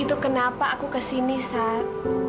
itu kenapa aku kesini saat